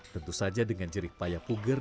tentu saja dengan jerik payah puger